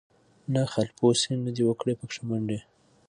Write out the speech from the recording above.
نه خالپوڅي نه دي وکړې پکښی منډي